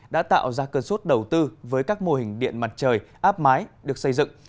đã tạo ra cơn suốt đầu tư với các mô hình điện mặt trời áp mái được xây dựng